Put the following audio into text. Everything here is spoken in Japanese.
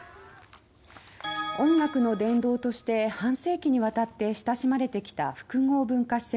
音楽の殿堂として半世紀にわたって親しまれてきた複合文化施設